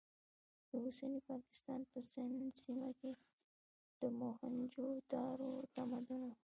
د اوسني پاکستان په سند سیمه کې د موهنجو دارو تمدن و.